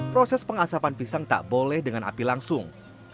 proses pengasapan pisang tak boleh dengan api langsung